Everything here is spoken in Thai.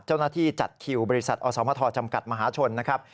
เจ้าหน้าที่จัดคิวบริษัทอสมทจำกัดมหาชนนะครับ